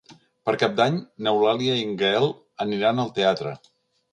Per Cap d'Any n'Eulàlia i en Gaël aniran al teatre.